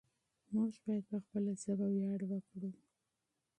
موږ بايد په خپله ژبه وياړ وکړو.